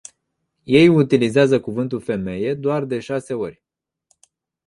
Ei utilizează cuvântul "femeie” doar de șase ori.